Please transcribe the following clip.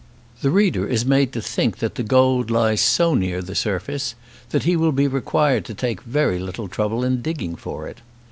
The reader is made to think that the gold lies so near the surface that he will be required to take very little trouble in digging for it.